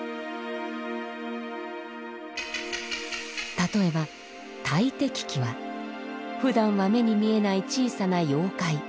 例えば鬼はふだんは目に見えない小さな妖怪。